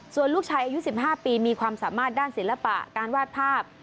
ส่วนลูกชายอายุ๑๕ปีมีความสามารถด้านศิลปะการวาดภาพ